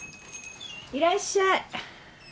いらっしゃい